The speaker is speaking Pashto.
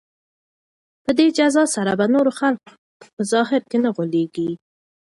په دې جزا سره به نور خلک په ظاهر نه غولیږي.